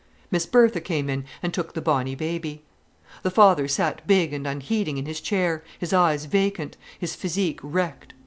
Miss Bertha came in, and took the bonny baby. The father sat big and unheeding in his chair, his eyes vacant, his physique wrecked.